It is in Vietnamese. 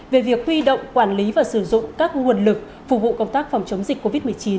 về việc huy động quản lý và sử dụng các nguồn lực phục vụ công tác phòng chống dịch covid một mươi chín